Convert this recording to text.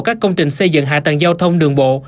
các công trình xây dựng hạ tầng giao thông đường bộ